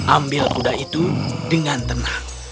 ambil kuda itu dengan tenang